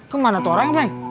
kemana tuh orangnya bang